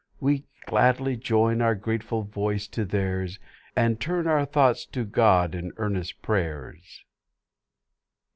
We gladly join our grateful voice to theirs And turn our thoughts to God in earnest prayers.